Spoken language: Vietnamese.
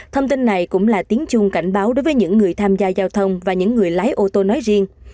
thông tin này cũng là tiếng chung cảnh báo đối với những người tham gia giao thông và những người lái ô tô nói riêng